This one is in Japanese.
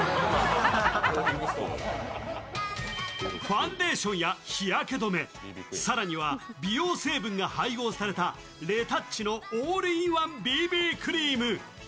ファンデーションや日焼け止め、さらに美容成分が配合されたＲＥＴＯＵＣＨのオールインワンＢＢクリーム。